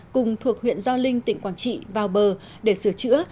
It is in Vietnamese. cùng thuộc huyện gio linh tỉnh quảng trị vào bờ để sửa chữa